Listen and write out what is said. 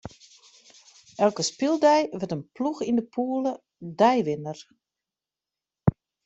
Elke spyldei wurdt in ploech yn de pûle deiwinner.